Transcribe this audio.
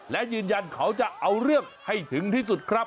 และยืนยันเขาจะเอาเรื่องให้ถึงที่สุดครับ